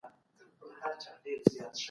ایا تاسو په نجارۍ پوهېږئ؟